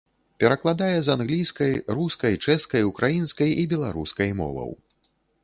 Перакладае з англійскай, рускай, чэшскай, украінскай і беларускай моваў.